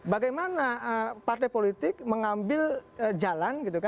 bagaimana partai politik mengambil jalan